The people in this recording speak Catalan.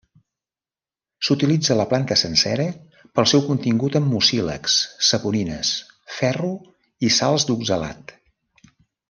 S'utilitza la planta sencera pel seu contingut en mucílags, saponines, ferro, i sals d'oxalat.